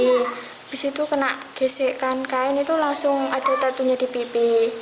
habis itu kena gesekan kain itu langsung ada tatunya di pipi